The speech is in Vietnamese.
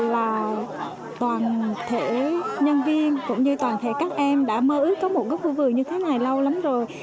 là toàn thể nhân viên cũng như toàn thể các em đã mơ ước có một cái khu vườn như thế này lâu lắm rồi